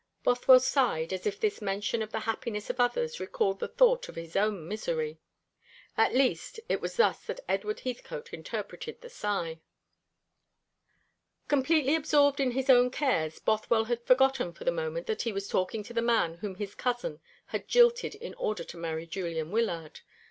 Bothwell sighed, as if this mention of the happiness of others recalled the thought of his own misery. At least, it was thus that Edward Heathcote interpreted the sigh. Completely absorbed in his own cares, Bothwell had forgotten for the moment that he was talking to the man whom his cousin had jilted in order to marry Julian Wyllard.